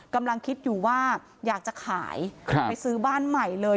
กำลังคิดอยู่ว่าอยากจะขายไปซื้อบ้านใหม่เลย